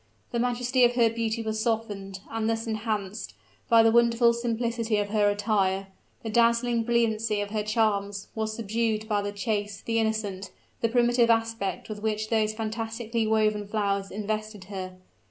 The majesty of her beauty was softened, and thus enhanced, by the wonderful simplicity of her attire; the dazzling brilliancy of her charms was subdued by the chaste, the innocent, the primitive aspect with which those fantastically woven flowers invested her.